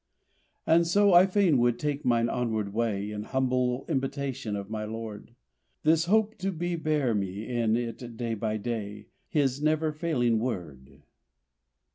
And so I fain would take mine onward way In humble imitation of my Lord. This hope to be bear me in it day by day, His never failing word!